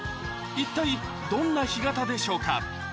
一体どんな干潟でしょうか？